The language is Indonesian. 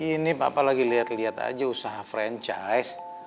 ini papa lagi lihat lihat aja usaha franchise